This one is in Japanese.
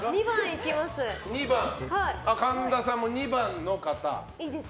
神田さんも２番の方。